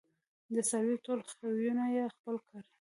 د څارویو ټول خویونه یې خپل کړي